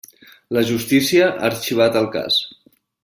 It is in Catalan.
La justícia ha arxivat el cas.